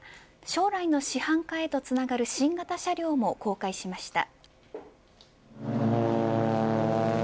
将来の市販化へとつながる新型車両も公開しました。